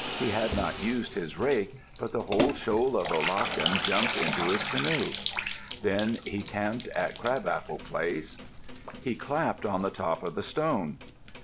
He had not used his rake, but the whole shoal of olachen jumped into his canoe. Then he camped at Crab apple place. He clapped on the top of the stone.